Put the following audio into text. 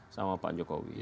sama pak jokowi